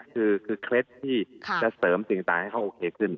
อันนี้คือเคล็ดที่จะเสริมสิ่งตลาก้าวให้เขาโอเคขึ้น